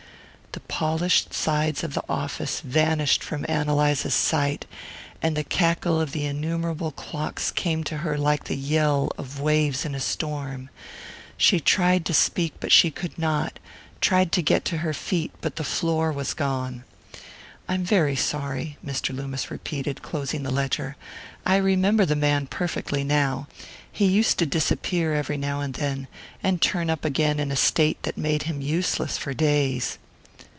The polished sides of the office vanished from Ann Eliza's sight, and the cackle of the innumerable clocks came to her like the yell of waves in a storm. She tried to speak but could not; tried to get to her feet, but the floor was gone. "I'm very sorry," Mr. Loomis repeated, closing the ledger. "I remember the man perfectly now. He used to disappear every now and then, and turn up again in a state that made him useless for days."